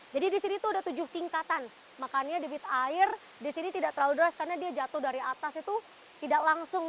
jadi di sini ada tujuh tingkatan makanya di bit air di sini tidak terlalu deras karena dia jatuh dari atas itu tidak langsung